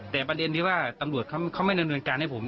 แต่ปัญเหตุที่ว่าตำรวจเขาไม่นำรวมการให้ผม